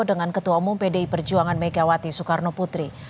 dengan ketua umum pdi perjuangan megawati soekarno putri